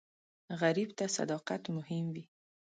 غریب ته صداقت مهم وي